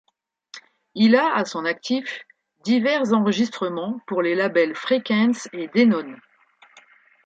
Il a à son actif divers enregistrements pour les labels Frequenz et Denon.